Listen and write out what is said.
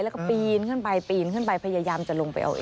แล้วก็ปีนขึ้นไปพยายามจะลงไปเอาเอง